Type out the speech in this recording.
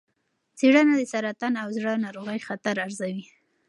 څېړنه د سرطان او زړه ناروغۍ خطر ارزوي.